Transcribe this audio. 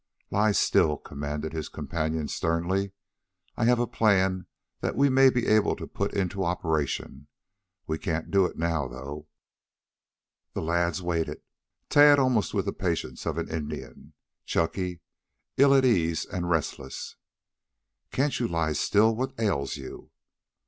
"Lie still!" commanded his companion sternly. "I have a plan that we may be able to put into operation. We can't do it now, though." The lads waited, Tad almost with the patience of an Indian, Chunky ill at ease and restless. "Can't you lie still? What ails you?"